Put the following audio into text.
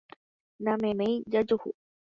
Nameméi jajuhu